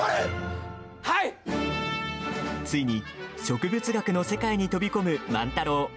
ついに、植物学の世界に飛び込む万太郎。